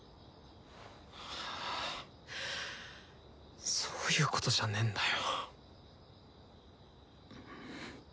はぁそういうことじゃねえんだよ。